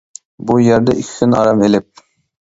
بۇ يەردە ئىككى كۈن ئارام ئېلىپ.